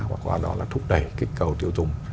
và qua đó là thúc đẩy kích cầu tiêu dùng